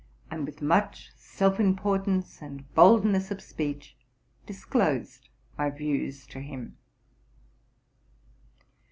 and with much self importance and boldness of speech disclosed my views to him.